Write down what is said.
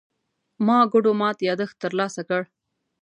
ما ګوډو مات يادښت ترلاسه کړ.